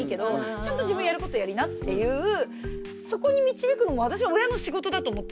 ちゃんと自分やることやりなっていうそこに導くのも私は親の仕事だと思ってるから。